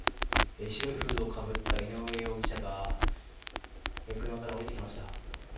白いフードをかぶった井上容疑者が、車から降りてきました。